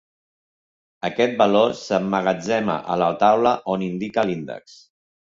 Aquest valor s'emmagatzema a la taula on indica l'índex.